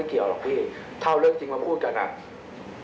และอีกอย่างผมไม่เคยรู้จักผู้ตายมาก่อน